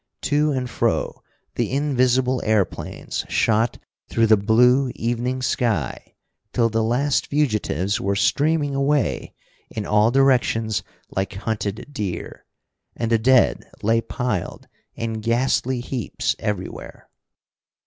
To and fro the invisible airplanes shot through the blue evening sky, till the last fugitives were streaming away in all directions like hunted deer, and the dead lay piled in ghastly heaps everywhere.